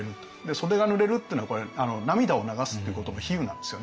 袖がぬれるっていうのはこれ涙を流すってことの比喩なんですよね。